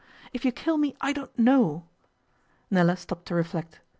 If you kill me, I don't know.' Nella stopped to reflect.